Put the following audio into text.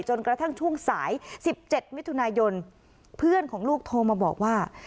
กระทั่งช่วงสาย๑๗มิถุนายนเพื่อนของลูกโทรมาบอกว่า